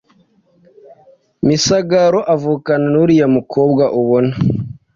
Misigaro avukana n’uriya mukobwa ubona